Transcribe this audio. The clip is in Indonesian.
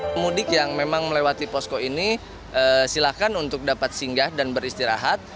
pemudik yang memang melewati posko ini silakan untuk dapat singgah dan beristirahat